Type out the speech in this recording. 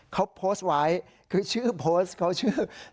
เขาโพสต์ไว้คือชื่อโพสต์เขาชื่อ